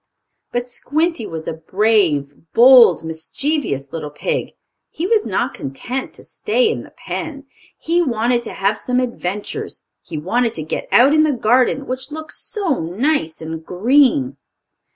But Squinty was a brave, bold, mischievous little pig. He was not content to stay in the pen. He wanted to have some adventures. He wanted to get out in the garden, which looked so nice and green.